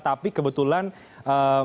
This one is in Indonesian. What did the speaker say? tapi kebetulan mereka ataupun beberapa orang